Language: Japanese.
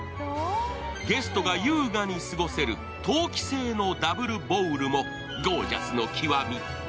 ゲストが優雅に過ごせる陶器製のダブルボウルもゴージャスの極み。